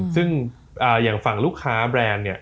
ซึ่งอย่างฝั่งลูกค้าแบรนด์เนี่ย